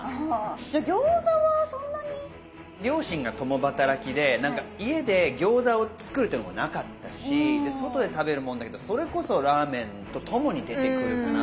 じゃあ餃子はそんなに？両親が共働きで何か家で餃子を作るっていうのもなかったしで外で食べるもんだけどそれこそラーメンと共に出てくるかな。